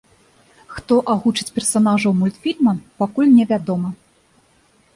Хто агучыць персанажаў мультфільма, пакуль не вядома.